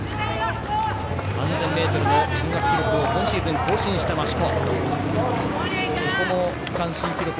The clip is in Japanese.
３０００ｍの中学記録を今シーズン更新した増子。